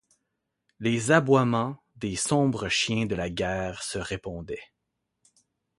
Les aboiements des sombres chiens de la guerre se répondaient.